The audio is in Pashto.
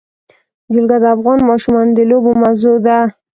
جلګه د افغان ماشومانو د لوبو موضوع ده.